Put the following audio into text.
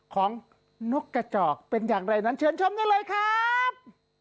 นกกระจอกเป็นอย่างไรนั้นเชิญชมได้เลยครับ